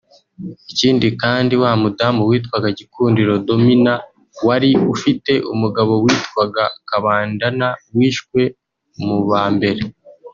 Ikindi kandi wa mudamu witwaga Gikundiro Domina wari ufite umugabo witwaga Kabandana wishwe mu ba mbere